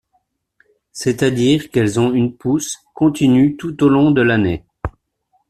C'est-à-dire qu'elles ont une pousse continue tout au long de l'année.